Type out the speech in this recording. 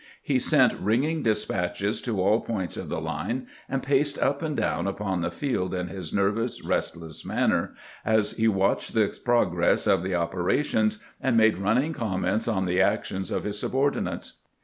He sent ringing despatches to all points of the line, and paced up and down upon the field in his nervous, restless manner, as he watched the progress of the op erations and made running comments on the actions of his subordinates.